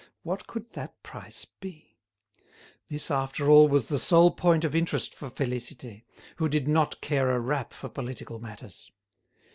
What could that price be? This after all was the sole point of interest for Félicité, who did not care a rap for political matters.